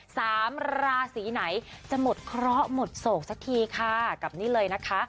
สามราศีไหนจะหมดเคราะห์หมดโศกสักทีค่ะกับนี่เลยนะคะ